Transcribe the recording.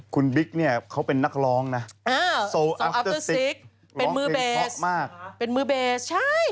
คุณบิ๊กเนี่ยเขาเป็นนักร้องนะโซอัมเตอร์ซิกเป็นมือเบสมากเป็นมือเบสใช่